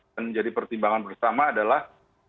dan menjadi pertimbangan bersama adalah